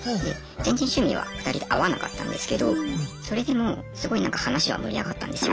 全然趣味は２人で合わなかったんですけどそれでもすごいなんか話は盛り上がったんですよ。